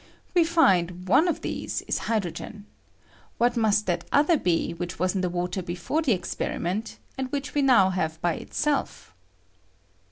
We find one of these is hydrogen: what mast that other be which was in the water before the experiment, and which we now have by itself?